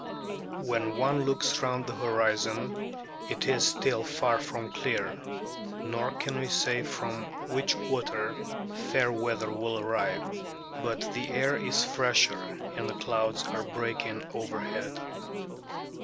When one looks round the horizon it is still far from clear; nor can we say from which quarter fair weather will arrive. But the air is fresher, and the clouds are breaking overhead.